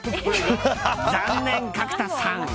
残念、角田さん！